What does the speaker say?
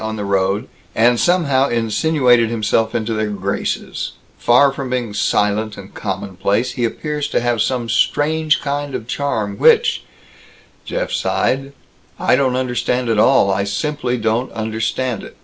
on the road, and somehow insinuated himself into their graces far from being silent and commonplace, he appears to have some strange kind of charm which," Jeff sighed, "I don't understand at all. I simply don't understand it!